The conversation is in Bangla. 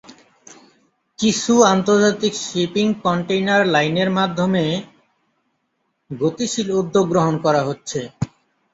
কিছু আন্তর্জাতিক শিপিং কন্টেইনার লাইনের মাধ্যমে গতিশীল উদ্যোগ গ্রহণ করা হচ্ছে।